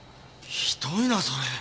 ひどいなそれ！